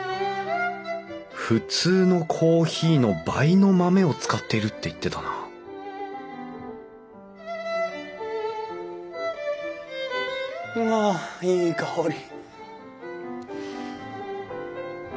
普通のコーヒーの倍の豆を使っているって言ってたなはあいい香り。